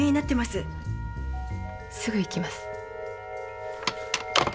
すぐ行きます。